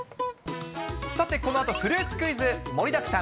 さてこのあと、フルーツクイズ盛りだくさん！